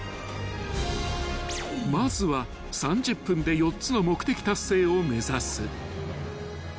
［まずは３０分で４つの目的達成を目指す］